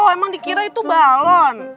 emang dikira itu balon